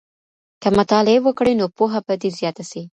که مطالعه وکړې نو پوهه به دې زیاته سي.